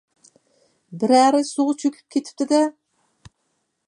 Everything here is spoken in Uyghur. بىرەرى سۇغا چۆكۈپ كېتىپتۇ-دە؟